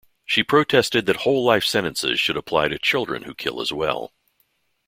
She protested that whole life sentences should apply to children who kill as well.